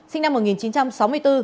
sinh năm một nghìn chín trăm sáu mươi bốn